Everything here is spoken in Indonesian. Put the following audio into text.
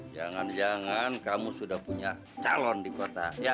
jangan jangan kamu sudah punya calon di kota